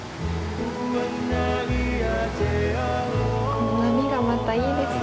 この波がまたいいですね。